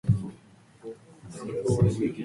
傷風感冒